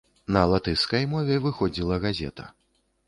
На латышскай мове выходзіла газета.